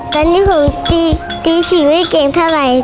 ตอนนี้ผมตี๔ไม่เก่งเท่าไหร่